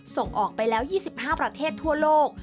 ส่งออกไปแล้ว๒๕ประเทศทั่วโลก